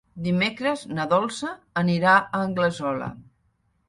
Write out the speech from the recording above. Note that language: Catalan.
Dimecres na Dolça anirà a Anglesola.